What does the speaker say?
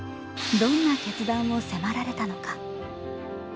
どんな決断を迫られたのか。